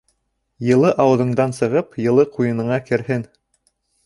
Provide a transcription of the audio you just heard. Йылы ауыҙыңдан сығып, йылы ҡуйыныңа керһен